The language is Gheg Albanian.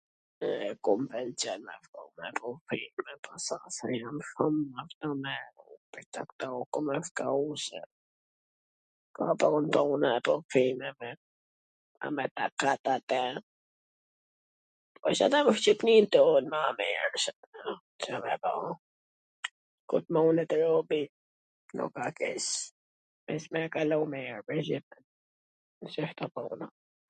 E ku m pwlqen me shku? Me shku... N Shqipnin ton ma mir. Ca me bo. Ku t munet robi. Nuk a keq. VeC me e kalu mir. ...